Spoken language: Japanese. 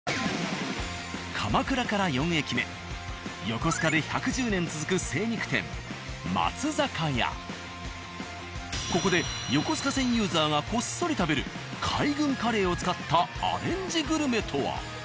横須賀で１１０年続くここで横須賀線ユーザーがこっそり食べる海軍カレーを使ったアレンジグルメとは？